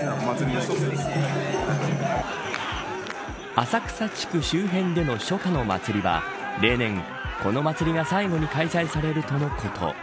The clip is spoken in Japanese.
浅草地区周辺での初夏の祭りは例年、この祭りが最後に開催されるとのこと。